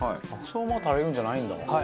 そのまま食べるんじゃないんだ。